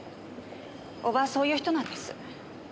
伯母はそういう人なんです。